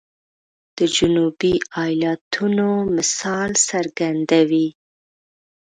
د جنوبي ایالاتونو مثال څرګندوي.